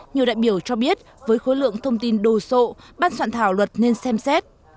nhiều đại biểu cho biết với khối lượng thông tin đồ sộ ban soạn thảo luật nên xem xét